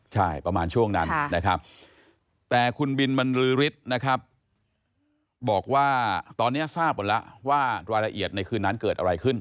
ใช่ประมาณช่วงนั้นนะครับแต่คุณบินบรรลือฤทธิ์นะครับบอกว่าตอนนี้ทราบหมดแล้วว่ารายละเอียดในคืนนั้นเกิดอะไรขึ้น